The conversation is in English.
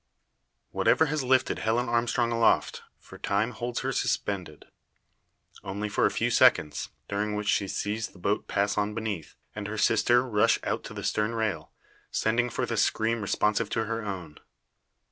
Whatever has lifted Helen Armstrong aloft, for time holds her suspended. Only for a few seconds, during which she sees the boat pass on beneath, and her sister rush out to the stern rail, sending forth a scream responsive to her own.